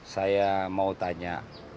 saya mau tanya